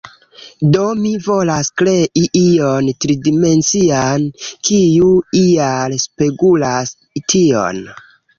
Do mi volas krei ion tridimencian, kiu ial spegulas tion.